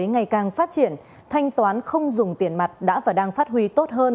ngày càng phát triển thanh toán không dùng tiền mặt đã và đang phát huy tốt hơn